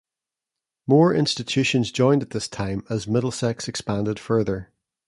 More institutions joined at this time as Middlesex expanded further.